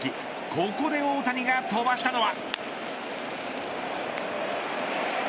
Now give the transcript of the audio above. ここで大谷が飛ばしたのは。